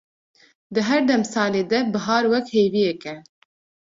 di her demsalê de bihar wek hêviyeke